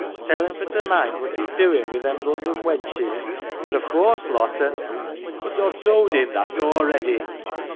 Tell him fur t' moind wot he's doin' wi' them Lundon wenches. They're a fawse lot, an' "—" But Aw've towd him that awready."